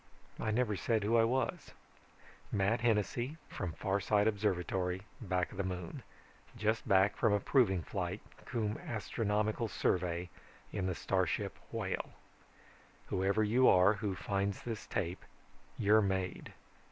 I never said who I was. Matt Hennessy, from Farside Observatory, back of the Moon, just back from a proving flight cum astronomical survey in the starship Whale. Whoever you are who finds this tape, you're made.